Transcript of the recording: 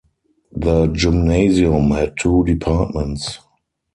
The Gymnasium had two departments.